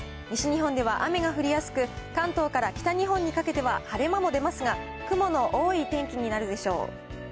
西日本では雨が降りやすく、関東から北日本にかけては晴れ間も出ますが、雲の多い天気になるでしょう。